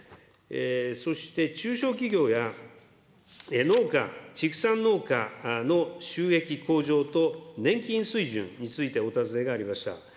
そして、中小企業や農家、畜産農家の収益向上と年金水準についてお尋ねがありました。